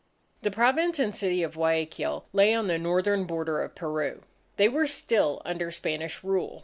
The Province and city of Guayaquil lay on the northern border of Peru. They were still under Spanish rule.